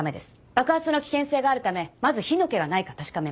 爆発の危険性があるためまず火の気がないか確かめます。